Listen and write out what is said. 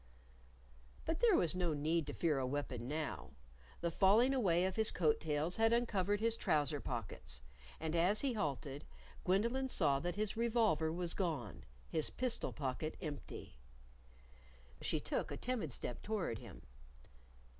_" But there was no need to fear a weapon now. The falling away of his coat tails had uncovered his trouser pockets. And as he halted, Gwendolyn saw that his revolver was gone, his pistol pocket empty. She took a timid step toward him.